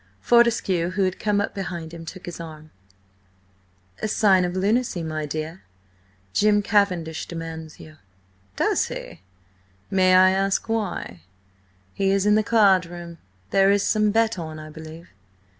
Fortescue, who had come up behind him, took his arm. "A sign of lunacy, my dear. Jim Cavendish demands you." "Does he? May I ask why?" "He is in the card room. There is some bet on, I believe."